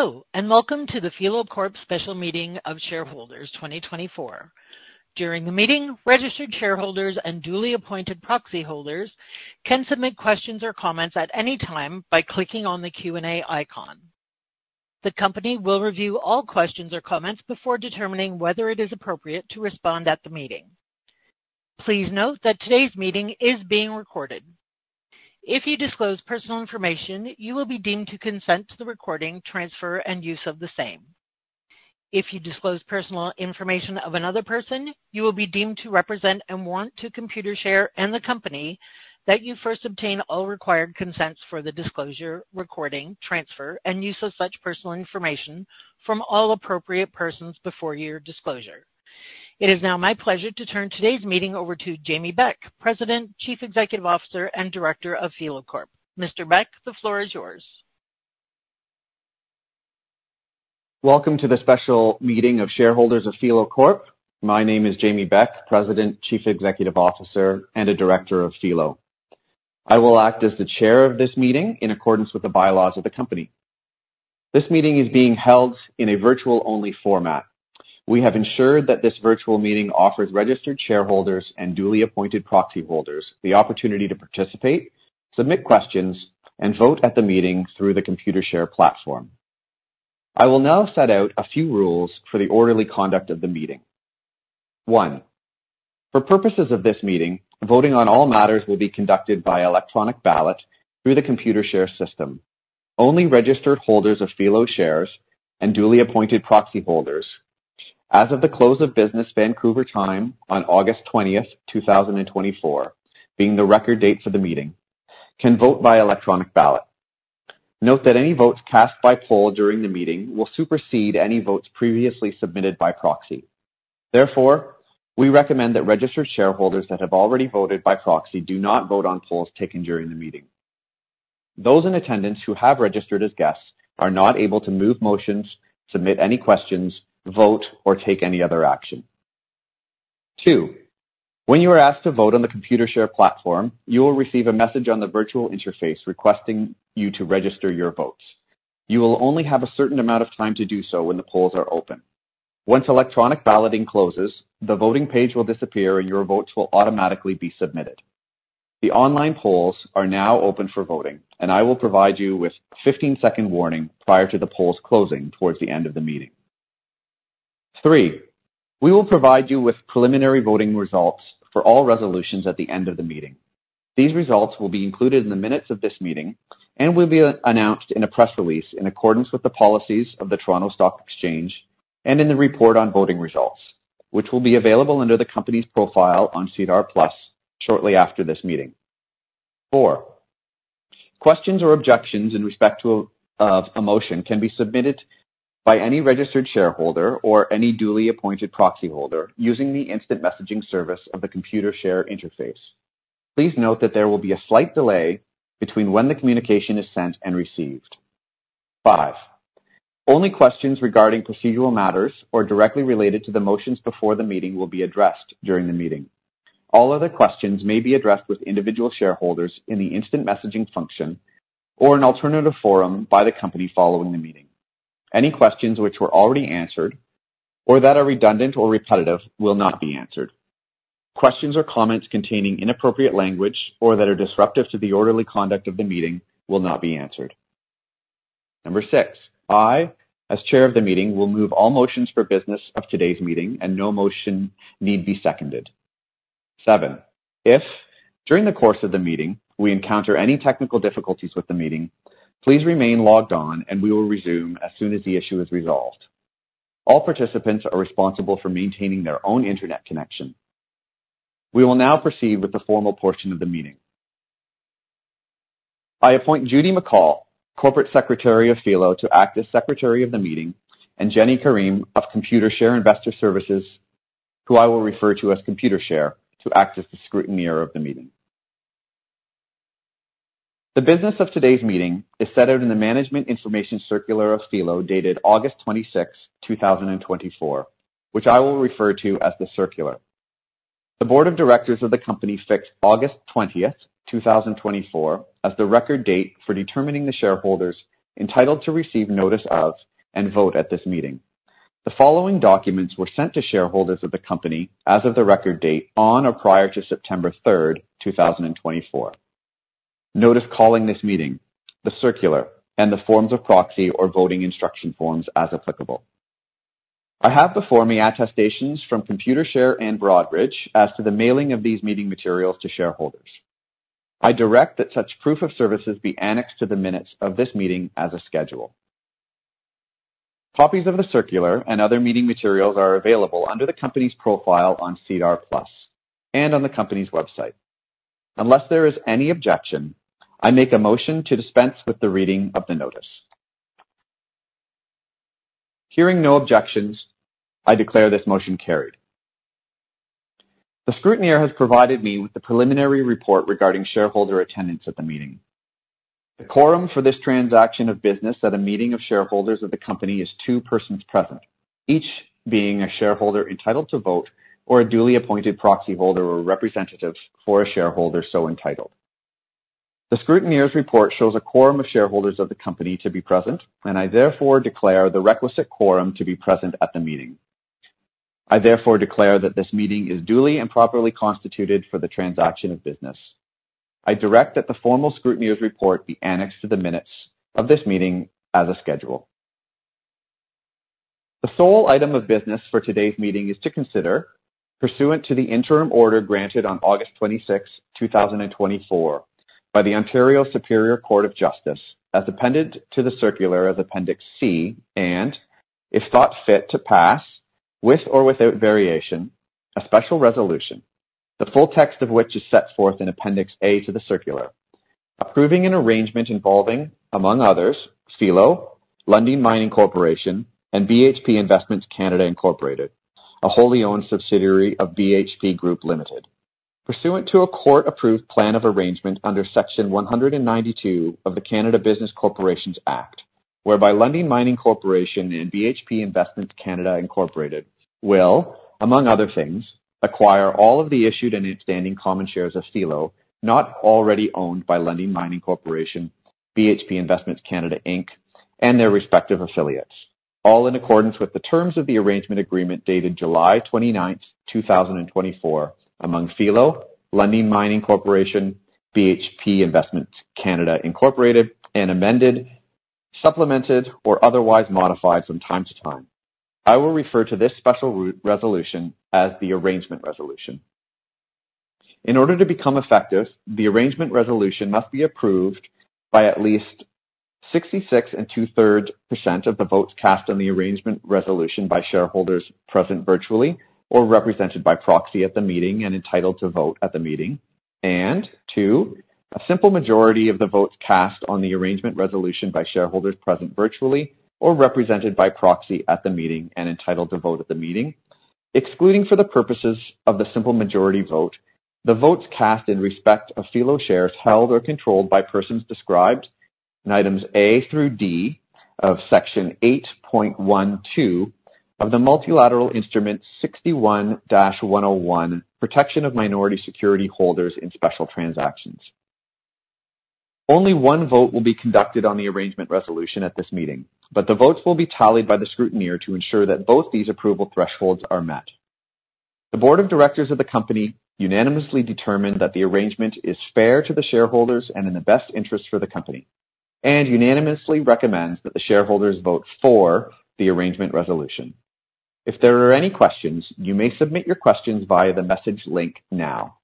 Hello, and welcome to the Filo Corp Special Meeting of Shareholders 2024. During the meeting, registered shareholders and duly appointed proxy holders can submit questions or comments at any time by clicking on the Q&A icon. The company will review all questions or comments before determining whether it is appropriate to respond at the meeting. Please note that today's meeting is being recorded. If you disclose personal information, you will be deemed to consent to the recording, transfer, and use of the same. If you disclose personal information of another person, you will be deemed to represent and warrant to Computershare and the company that you first obtain all required consents for the disclosure, recording, transfer, and use of such personal information from all appropriate persons before your disclosure. It is now my pleasure to turn today's meeting over to Jamie Beck, President, Chief Executive Officer, and Director of Filo Corp. Mr. Beck, the floor is yours. Welcome to the special meeting of shareholders of Filo Corp. My name is Jamie Beck, President, Chief Executive Officer, and a Director of Filo. I will act as the chair of this meeting in accordance with the bylaws of the company. This meeting is being held in a virtual-only format. We have ensured that this virtual meeting offers registered shareholders and duly appointed proxy holders the opportunity to participate, submit questions, and vote at the meeting through the Computershare platform. I will now set out a few rules for the orderly conduct of the meeting. One, for purposes of this meeting, voting on all matters will be conducted by electronic ballot through the Computershare system. Only registered holders of Filo shares and duly appointed proxy holders as of the close of business, Vancouver time, on August 20th, 2024, being the record date for the meeting, can vote by electronic ballot. Note that any votes cast by poll during the meeting will supersede any votes previously submitted by proxy. Therefore, we recommend that registered shareholders that have already voted by proxy do not vote on polls taken during the meeting. Those in attendance who have registered as guests are not able to move motions, submit any questions, vote, or take any other action. Two, when you are asked to vote on the Computershare platform, you will receive a message on the virtual interface requesting you to register your votes. You will only have a certain amount of time to do so when the polls are open. Once electronic balloting closes, the voting page will disappear, and your votes will automatically be submitted. The online polls are now open for voting, and I will provide you with 15-second warning prior to the polls closing towards the end of the meeting. Three, we will provide you with preliminary voting results for all resolutions at the end of the meeting. These results will be included in the minutes of this meeting and will be announced in a press release in accordance with the policies of the Toronto Stock Exchange and in the report on voting results, which will be available under the company's profile on SEDAR+ shortly after this meeting. Four, questions or objections in respect of a motion can be submitted by any registered shareholder or any duly appointed proxy holder using the instant messaging service of the Computershare interface. Please note that there will be a slight delay between when the communication is sent and received. Five, only questions regarding procedural matters or directly related to the motions before the meeting will be addressed during the meeting. All other questions may be addressed with individual shareholders in the instant messaging function or an alternative forum by the company following the meeting. Any questions which were already answered or that are redundant or repetitive will not be answered. Questions or comments containing inappropriate language or that are disruptive to the orderly conduct of the meeting will not be answered. Number six, I, as chair of the meeting, will move all motions for business of today's meeting, and no motion need be seconded. Seven, if during the course of the meeting, we encounter any technical difficulties with the meeting, please remain logged on, and we will resume as soon as the issue is resolved. All participants are responsible for maintaining their own internet connection. We will now proceed with the formal portion of the meeting. I appoint Judy McCall, Corporate Secretary of Filo, to act as Secretary of the meeting, and Jenny Karim of Computershare Investor Services, who I will refer to as Computershare, to act as the scrutineer of the meeting. The business of today's meeting is set out in the Management Information Circular of Filo, dated August 26, 2024, which I will refer to as the circular. The board of directors of the company fixed August 20th, 2024, as the record date for determining the shareholders entitled to receive notice of and vote at this meeting. The following documents were sent to shareholders of the company as of the record date on or prior to September 3, 2024. Notice calling this meeting, the circular, and the forms of proxy or voting instruction forms as applicable. I have before me attestations from Computershare and Broadridge as to the mailing of these meeting materials to shareholders. I direct that such proof of services be annexed to the minutes of this meeting as a schedule. Copies of the circular and other meeting materials are available under the company's profile on SEDAR+ and on the company's website. Unless there is any objection, I make a motion to dispense with the reading of the notice. Hearing no objections, I declare this motion carried. The scrutineer has provided me with the preliminary report regarding shareholder attendance at the meeting. The quorum for this transaction of business at a meeting of shareholders of the company is two persons present, each being a shareholder entitled to vote or a duly appointed proxy holder or representative for a shareholder so entitled.... The scrutineer's report shows a quorum of shareholders of the company to be present, and I therefore declare the requisite quorum to be present at the meeting. I therefore declare that this meeting is duly and properly constituted for the transaction of business. I direct that the formal scrutineer's report be annexed to the minutes of this meeting as a schedule. The sole item of business for today's meeting is to consider, pursuant to the interim order granted on August 26, 2024, by the Ontario Superior Court of Justice, as appended to the circular of Appendix C, and if thought fit to pass, with or without variation, a special resolution, the full text of which is set forth in Appendix A to the circular, approving an arrangement involving, among others, Filo, Lundin Mining Corporation, and BHP Investments Canada Incorporated, a wholly owned subsidiary of BHP Group Limited. Pursuant to a court-approved plan of arrangement under Section one hundred and ninety-two of the Canada Business Corporations Act, whereby Lundin Mining Corporation and BHP Investments Canada Inc. will, among other things, acquire all of the issued and outstanding common shares of Filo, not already owned by Lundin Mining Corporation, BHP Investments Canada Inc., and their respective affiliates, all in accordance with the terms of the arrangement agreement dated July 29, 2024, among Filo, Lundin Mining Corporation, BHP Investments Canada Inc., and amended, supplemented, or otherwise modified from time to time. I will refer to this special resolution as the Arrangement Resolution. In order to become effective, the Arrangement Resolution must be approved by at least 66 and two-thirds% of the votes cast on the Arrangement Resolution by shareholders present, virtually or represented by proxy at the meeting and entitled to vote at the meeting, and two, a simple majority of the votes cast on the Arrangement Resolution by shareholders present, virtually or represented by proxy at the meeting and entitled to vote at the meeting, excluding for the purposes of the simple majority vote, the votes cast in respect of Filo shares held or controlled by persons described in items A through D of Section 8.12 of the Multilateral Instrument 61-101, Protection of Minority Security Holders in Special Transactions. Only one vote will be conducted on the Arrangement Resolution at this meeting, but the votes will be tallied by the scrutineer to ensure that both these approval thresholds are met. The board of directors of the company unanimously determined that the arrangement is fair to the shareholders and in the best interest for the company, and unanimously recommends that the shareholders vote for the Arrangement Resolution. If there are any questions, you may submit your questions via the message link now.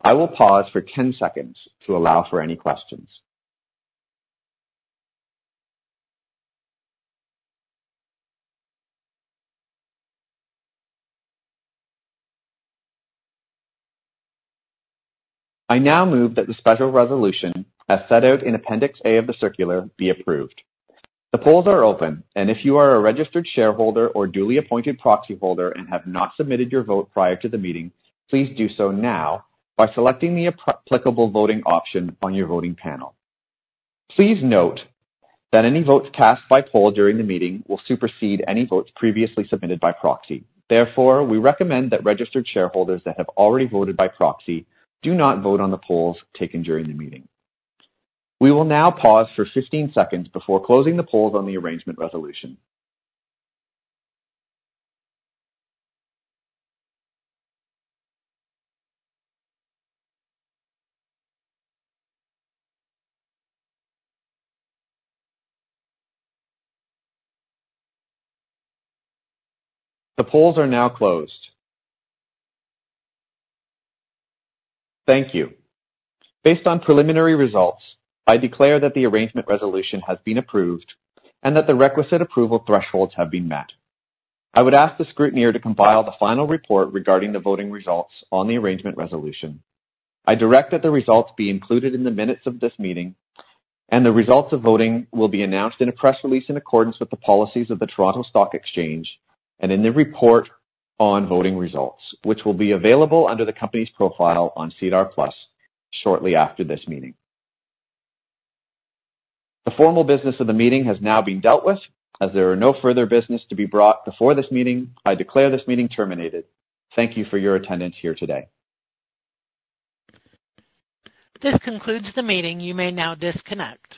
I will pause for 10 seconds to allow for any questions. I now move that the special resolution, as set out in Appendix A of the circular, be approved. The polls are open, and if you are a registered shareholder or duly appointed proxy holder and have not submitted your vote prior to the meeting, please do so now by selecting the applicable voting option on your voting panel. Please note that any votes cast by poll during the meeting will supersede any votes previously submitted by proxy. Therefore, we recommend that registered shareholders that have already voted by proxy do not vote on the polls taken during the meeting. We will now pause for fifteen seconds before closing the polls on the Arrangement Resolution. The polls are now closed. Thank you. Based on preliminary results, I declare that the Arrangement Resolution has been approved and that the requisite approval thresholds have been met. I would ask the scrutineer to compile the final report regarding the voting results on the Arrangement Resolution. I direct that the results be included in the minutes of this meeting, and the results of voting will be announced in a press release in accordance with the policies of the Toronto Stock Exchange and in the report on voting results, which will be available under the company's profile on SEDAR+ shortly after this meeting. The formal business of the meeting has now been dealt with. As there are no further business to be brought before this meeting, I declare this meeting terminated. Thank you for your attendance here today. This concludes the meeting. You may now disconnect.